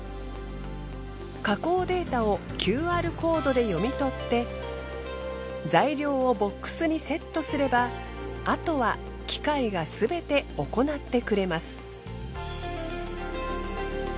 加工データをＱＲコードで読み取って材料をボックスにセットすればあとは機械がすべて行ってくれます。